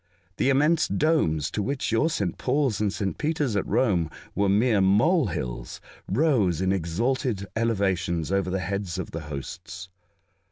The immense domes, to which your S. Paul's, and S. Peter's at Home, were mere mole hills, rose in exalted elevations over the heads of the hosts.